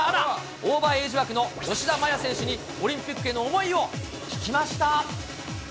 オーバーエイジ枠の吉田麻也選手に、オリンピックへの思いを聞きました。